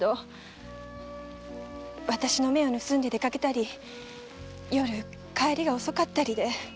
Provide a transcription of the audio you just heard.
私の目を盗んで出かけたり夜帰りが遅かったりで。